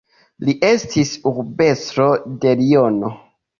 Li estis urbestro de Liono.